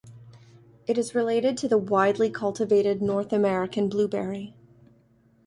It is related to the widely cultivated North American blueberry.